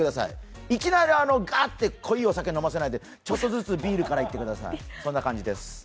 いきなりガッと濃いお酒飲ませないでちょっとずつビールからいってください、そんな感じです。